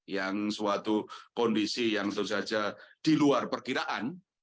yang suatu kondisi yang tentu saja di luar perkiraan